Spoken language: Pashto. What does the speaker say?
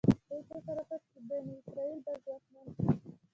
دوی فکر وکړ چې بني اسرایل به ځواکمن شي.